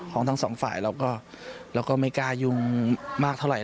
ของทั้งสองฝ่ายเราก็ไม่กล้ายุ่งมากเท่าไหร